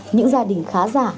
những gia đình khá giả